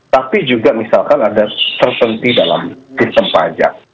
tapi juga misalkan ada tercenti dalam sistem pajak